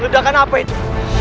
ledakan apa itu